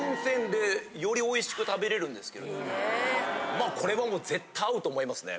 まあこれはもう絶対合うと思いますね。